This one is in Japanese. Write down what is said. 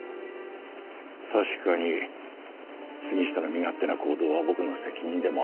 確かに杉下の身勝手な行動は僕の責任でもあるからね。